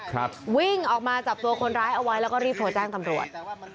วิ่งออกมาจับตัวคนร้ายเอาไว้แล้วก็รีบโทรแจ้งตำรวจ